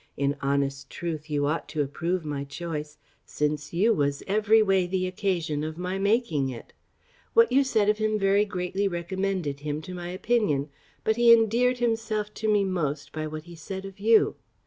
In honest truth, you ought to approve my choice; since you was every way the occasion of my making it. What you said of him very greatly recommended him to my opinion; but he endeared himself to me most by what he said of you.